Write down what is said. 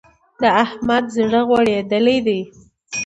د احمد زړه غوړېدل دی.